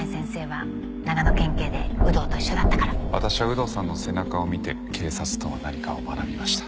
私は有働さんの背中を見て警察とは何かを学びました。